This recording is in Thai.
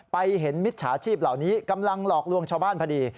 เห็นมิจฉาชีพเหล่านี้กำลังหลอกลวงชาวบ้านพอดี